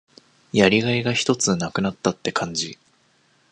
やりがいがひとつ無くなったって感じ。